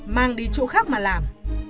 mang đi chỗ khác mà làm